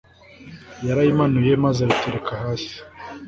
yarayimanuye maze ayitereka hasi